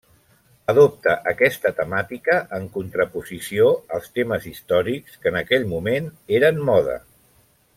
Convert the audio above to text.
Adopta aquesta temàtica en contraposició als temes històrics, que en aquell moment eren moda.